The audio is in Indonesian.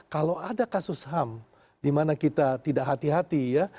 kalau ada kasus ham dimana kita tidak hati hati ya